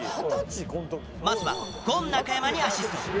まずはゴン中山にアシスト。